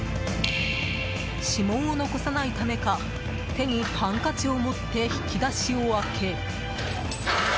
指紋を残さないためか手にハンカチを持って引き出しを開け。